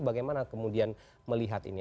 bagaimana kemudian melihat ini